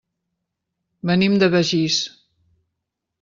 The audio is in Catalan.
Venim de Begís.